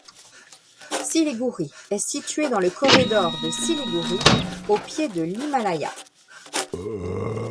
Siliguri est située dans le corridor de Siliguri, au pied de l'Himalaya.